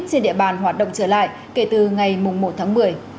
trên địa bàn hoạt động trở lại kể từ ngày một tháng một mươi